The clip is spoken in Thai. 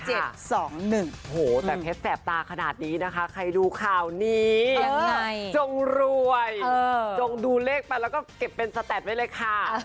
โอ้โหแต่เพชรแสบตาขนาดนี้นะคะใครดูข่าวนี้ยังไงจงรวยจงดูเลขไปแล้วก็เก็บเป็นสแตดไว้เลยค่ะ